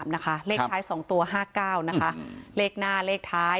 ๘๓๗๘๙๓นะคะเลขท้าย๒ตัว๕๙นะครับเลขหน้า